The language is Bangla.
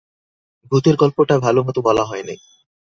ভূতের গল্পটা ভালোমতো বলা হয় নাই।